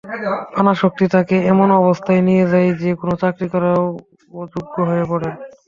পানাসক্তি তাঁকে এমন অবস্থায় নিয়ে যায় যে, কোনো চাকরি করারও অযোগ্য হয়ে পড়েন।